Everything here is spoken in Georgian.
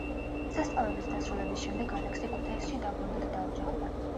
სასწავლებლის დასრულების შემდეგ ალექსი ქუთაისში დაბრუნდა და დაოჯახდა.